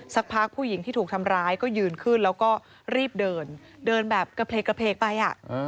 สักพักผู้หญิงที่ถูกทำร้ายก็ยืนขึ้นแล้วก็รีบเดินเดินแบบกระเพกไป